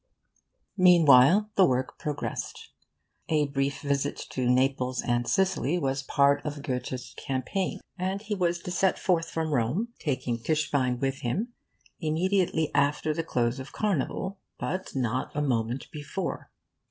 Meanwhile, the work progressed. A brief visit to Naples and Sicily was part of Goethe's well pondered campaign, and he was to set forth from Rome (taking Tischbein with him) immediately after the close of the Carnival but not a moment before.